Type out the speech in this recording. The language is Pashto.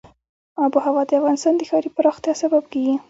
آب وهوا د افغانستان د ښاري پراختیا سبب کېږي.